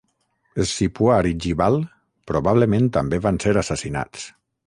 Scipuar i Gibal probablement també van ser assassinats.